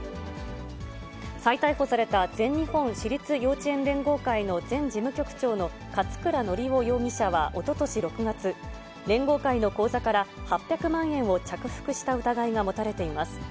再逮捕された全日本私立幼稚園連合会の前事務局長の勝倉教雄容疑者はおととし６月、連合会の口座から８００万円を着服した疑いが持たれています。